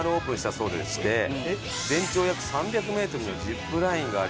全長約３００メートルのジップラインがありまして